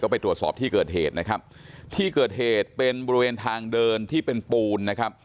ไปตรวจสอบที่เกิดเหตุนะครับที่เกิดเหตุเป็นบริเวณทางเดินที่เป็นปูนนะครับ